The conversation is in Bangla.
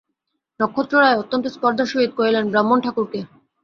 নক্ষত্ররায় অত্যন্ত স্পর্ধার সহিত কহিলেন, ব্রাহ্মণ-ঠাকুর কে!